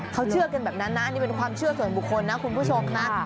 เขาเชื่อกันแบบนั้นนะอันนี้เป็นความเชื่อส่วนบุคคลนะคุณผู้ชมนะ